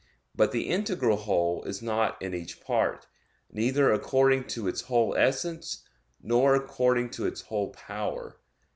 But the integral whole is not in each part, neither according to its whole essence, nor according to its whole power.